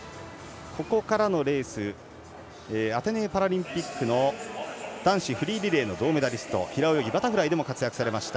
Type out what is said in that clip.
ここからのレースアテネパラリンピックの男子フリーリレーの銅メダリスト平泳ぎ、バタフライでも活躍されました